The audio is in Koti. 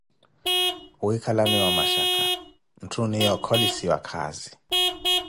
wiikalaniwa mashakha, nthu oniiya okolosiwa khaazi.